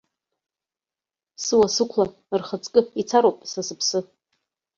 Сыуа-сықәла рхаҵкы ицароуп са сыԥсы.